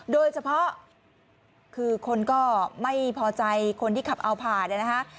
โดยเฉพาะคือคนก็ไม่พอใจคนที่ขับเอาผ่านเนี่ยนะคะ